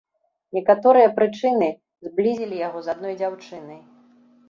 Некаторыя прычыны зблізілі яго з адной дзяўчынай.